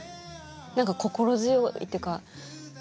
何か心強いっていうかうん。